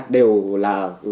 đều là pháp lý